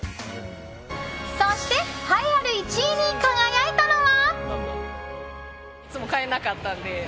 そして栄えある１位に輝いたのは。